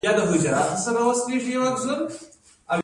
د خاوک کوتل پنجشیر او بغلان نښلوي